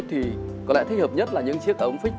thì có lẽ thích hợp nhất là những chiếc ống phích